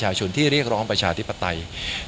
ชนที่เรียกร้องประชาธิปไตย